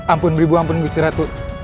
ampun beribu ampun gujiratu